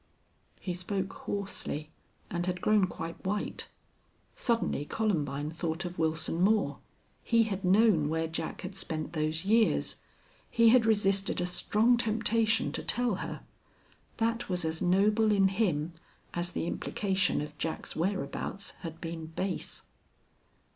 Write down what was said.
He spoke hoarsely, and had grown quite white. Suddenly Columbine thought of Wilson Moore! He had known where Jack had spent those years. He had resisted a strong temptation to tell her. That was as noble in him as the implication of Jack's whereabouts had been base.